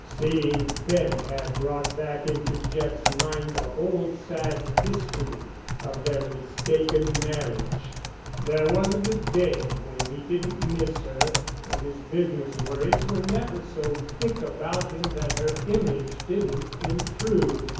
Seeing Bent had brought back into Jeff's mind the whole sad history of their mistaken marriage. There wasn't a day when he didn't miss her, and his business worries were never so thick about him that her image didn't intrude.